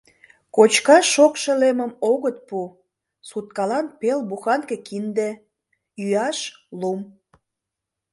Кочкаш шокшо лемым огыт пу, суткалан пел буханке кинде, йӱаш — лум.